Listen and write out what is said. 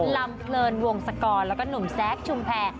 ลำเพลินวงศกรแล้วก็หนุ่มแซคชุมแพร